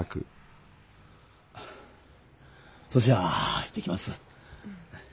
そしゃ行ってきます。